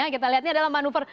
kita lihat ini adalah manuver